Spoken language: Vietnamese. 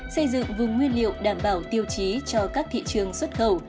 xây dựng vùng nguyên liệu đảm bảo tiêu chí cho các thị trường xuất khẩu